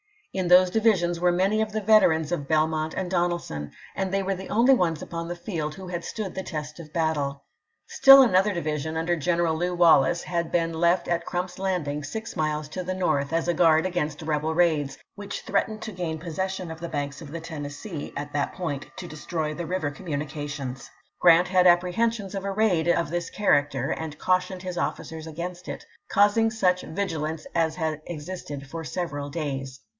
In these divisions were many of the veterans of Belmont and Donelsou, and they were the only ones upon the field who had stood the test of battle. Still another division, under General Lew. Wallace, had been left at Crump's Landing, six miles to the north, as a guard against rebel raids, which threatened to gain possession of the banks of the Tennessee at Grant to that poiut to dcstroy the river communications. ^Apru '4'' Grant had apprehensions of a raid of this character Vol. X., ' and cautioned his officers against it, causing such p. 91. ■' vigilance as had existed for several days.